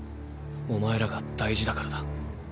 お前らが大事だからだ。